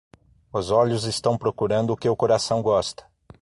Os olhos estão procurando o que o coração gosta.